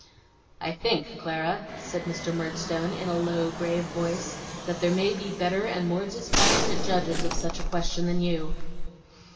'I think, Clara,' said Mr. Murdstone, in a low grave voice, 'that there may be better and more dispassionate judges of such a question than you.